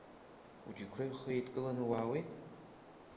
Уџьықәреи ахы еидкыланы уаауеит?